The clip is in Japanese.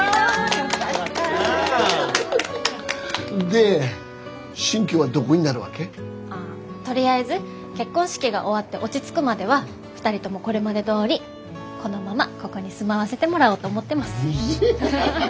で新居はどこになるわけ？あっとりあえず結婚式が終わって落ち着くまでは２人ともこれまでどおりこのままここに住まわせてもらおうと思ってます。